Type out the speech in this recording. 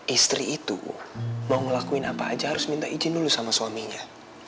istri itu mau ngelakuin apa aja harus minta izin dulu sama suaminya